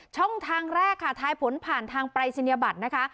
ช่องทางแรกค่ะทายผลผ่านทางปรายศนียบัตรนะคะ